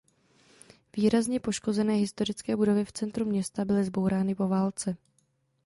Výrazně poškozené historické budovy v centru města byly zbourány po válce.